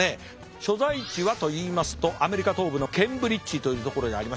所在地はといいますとアメリカ東部のケンブリッジというところにありまして。